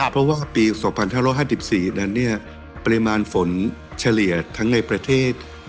เพราะว่าปี๒๕๕๔นั้นปริมาณฝนเฉลี่ยทั้งในประเทศ